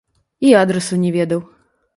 І адрасу не ведаў.